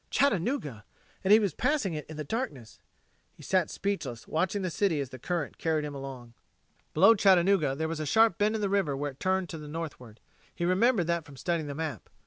Chattanooga! And he was passing it in the darkness! He sat speechless watching the city as the current carried him along. Below Chattanooga there was a sharp bend in the river where it turned to the northward. He remembered that from studying the map.